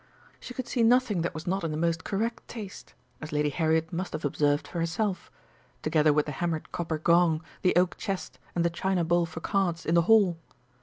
She could see nothing that was not in the most correct taste, as Lady Harriet must have observed for herself, together with the hammered copper gong, the oak chest, and the china bowl for cards in the hall.